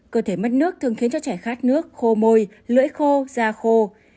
cơ thể mất nước thường khiến cho trẻ khát nước khô môi lưỡi khô da khô